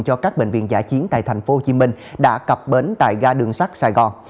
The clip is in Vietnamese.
cho các bệnh viện giả chiến tại tp hcm đã cập bến tại ga đường sắt sài gòn